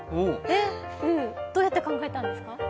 どうやって考えたんですか？